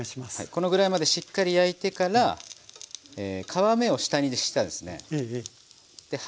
このぐらいまでしっかり焼いてから皮目を下にしたらですね半分ぐらい空けます。